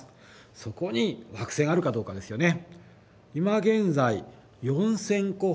そこに惑星があるかどうかですよね。